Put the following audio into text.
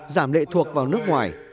giảm lệ thuộc vào nước ngoài